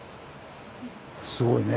すごいね。